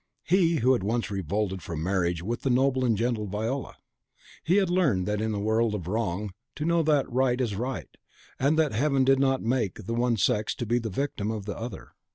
He who had once revolted from marriage with the noble and gentle Viola! he had learned in that world of wrong to know that right is right, and that Heaven did not make the one sex to be the victim of the other.